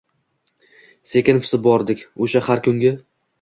Sekin pisib bordik… O’sha har kungi